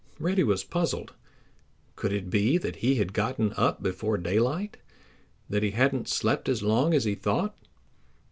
Reddy was puzzled. Could it be that he had gotten up before daylight—that he hadn't slept as long as he thought?